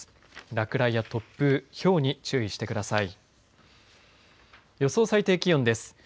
落雷や突風ひょうに注意してください。